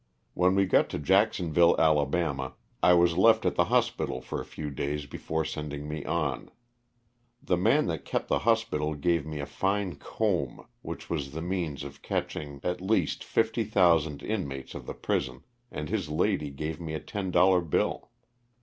When we got to Jacksonville, Ala., I was left at the hospital for a few days before sending me on. The man that kept the hospital gave me a fine comb, which was the means of catching at least 350 LOSS OF THE SULTANA. fifty thousarid inmates of the prison, and his lady gave me a ten dollar bill.